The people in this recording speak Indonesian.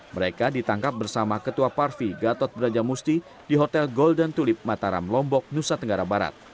mereka ditangkap bersama ketua parvi gatot brajamusti di hotel golden tulip mataram lombok nusa tenggara barat